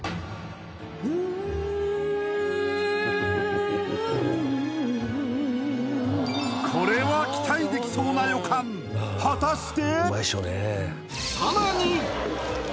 Ｕｈこれは期待できそうな予感果たして？